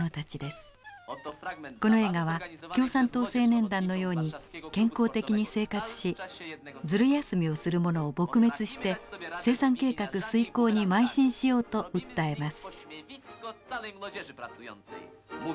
この映画は共産党青年団のように健康的に生活しずる休みをする者を撲滅して生産計画遂行にまい進しようと訴えます。